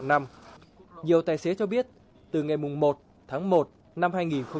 nhiều tài xế cho biết từ ngày một tháng một năm hai nghìn một mươi năm